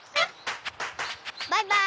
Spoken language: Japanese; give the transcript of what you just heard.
バイバーイ！